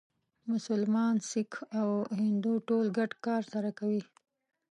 مسلمان، سیکه او هندو ټول ګډ کار سره کوي.